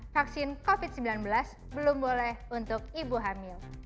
vaksin covid sembilan belas belum boleh untuk ibu hamil